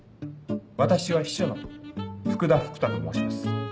私は秘書の福田福多と申します。